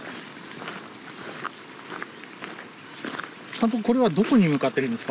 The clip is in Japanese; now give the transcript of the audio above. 監督これはどこに向かってるんですか？